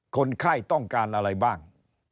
คนไข้ต้องการอะไรบ้าง